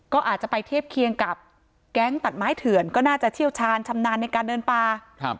ก็อาจจะไปเทียบเคียงกับแก๊งตัดไม้เถื่อนก็น่าจะเชี่ยวชาญชำนาญในการเดินป่า